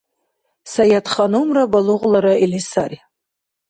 Саятханумра балугъла раили сари.